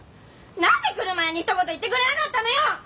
何で来る前にひと言言ってくれなかったのよ！？